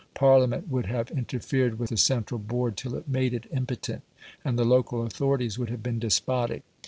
Parliament would have interfered with the central board till it made it impotent, and the local authorities would have been despotic.